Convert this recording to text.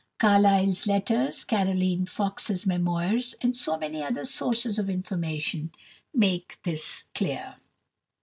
Carlyle's Letters, Caroline Fox's Memoirs, and many other sources of information, make this clear.